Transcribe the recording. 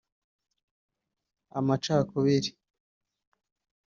amacakubiri